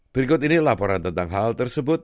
berikut ini laporan tentang hal tersebut